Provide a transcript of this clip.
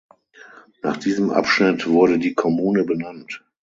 Nach diesem Abschnitt wurde die Kommune benannt.